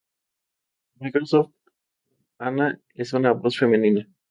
Brown nació en la ciudad de Toledo, en el estado de Ohio.